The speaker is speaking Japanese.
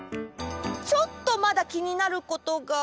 ちょっとまだきになることが。